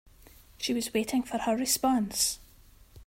She was waiting for her response.